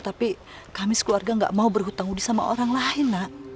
tapi kami sekeluarga gak mau berhutang udi sama orang lain nak